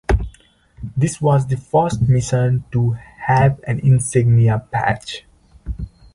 This was the first mission to have an insignia patch.